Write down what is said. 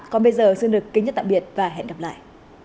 còn bây giờ xin được kính chào tạm biệt và hẹn gặp lại